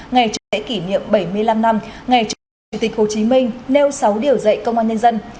ngày chủ đề kỷ niệm bảy mươi năm năm ngày chủ đề của chủ tịch hồ chí minh nêu sáu điều dạy công an nhân dân